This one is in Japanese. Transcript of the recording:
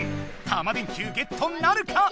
タマ電Ｑゲットなるか？